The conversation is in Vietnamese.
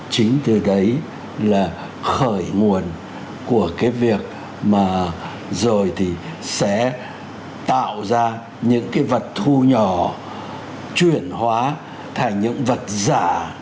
chính từ đấy là khởi nguồn của cái việc mà rồi thì sẽ tạo ra những cái vật thu nhỏ chuyển hóa thành những vật giả